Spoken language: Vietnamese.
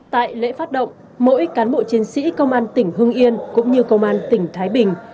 tại lễ phát động mỗi cán bộ chiến sĩ công an tỉnh hưng yên cũng như công an tỉnh thái bình